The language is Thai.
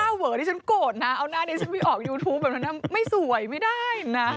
ดิฉันหน้าเวอดิฉันโกรธนะเอาหน้าเดี๋ยวฉันไปออกยูทูปแบบนั้นนะไม่สวยไม่ได้นะ